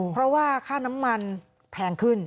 เพราะว่าค่าน้ำมันแพงขึ้น